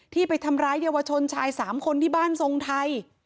ไปทำร้ายเยาวชนชาย๓คนที่บ้านทรงไทย